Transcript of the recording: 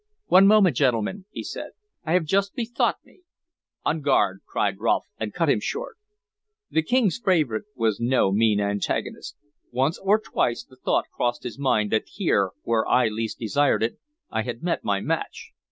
"One moment, gentlemen," he said. "I have just bethought me" "On guard!" cried Rolfe, and cut him short. The King's favorite was no mean antagonist. Once or twice the thought crossed my mind that here, where I least desired it, I had met my match.